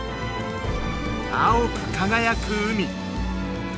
青く輝く海。